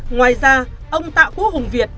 ngoài ra ông tạ quốc hùng việt